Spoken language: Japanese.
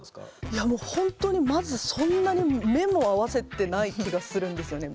いやもうほんとにまずそんなに目も合わせてない気がするんですよね。